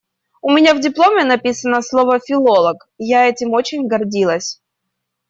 У меня в дипломе написано слово «филолог», я этим очень гордилась.